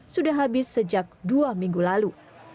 sudah habis sejak dua minggu lalu